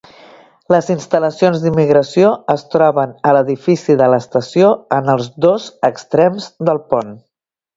Les instal·lacions d'immigració es troben a l'edifici de l'estació en els dos extrems del pont.